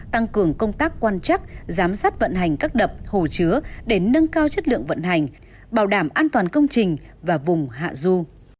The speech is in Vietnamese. tăng cường công tác quan chắc giám sát vận hành các đập hồ chứa để nâng cao chất lượng vận hành bảo đảm an toàn công trình và vùng hạ du